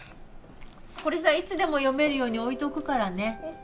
これさ、いつでも読めるように置いとくからね。